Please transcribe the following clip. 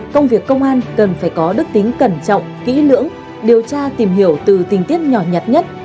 công việc công an cần phải có đức tính cẩn trọng kỹ lưỡng điều tra tìm hiểu từ tình tiết nhỏ nhặt nhất